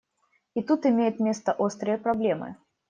И тут имеют место острые проблемы.